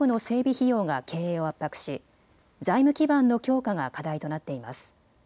費用が経営を圧迫し、財務基盤の強化が課題となっています。